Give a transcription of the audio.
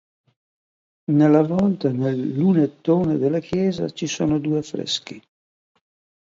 Nella volta e nel lunettone della chiesa ci sono due affreschi.